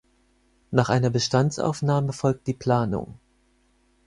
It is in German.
Nach einer Bestandsaufnahme folgt die Planung.